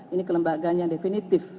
ini kelembagaannya definitif